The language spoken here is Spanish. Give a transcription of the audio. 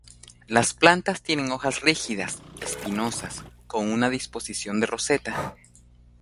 Las plantas tienen hojas rígidas, espinosas, con una disposición de roseta.